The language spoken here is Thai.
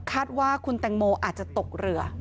คาดว่าคุณแตงโมอาจจะตกเรือ